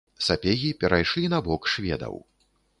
Сапегі перайшлі на бок шведаў.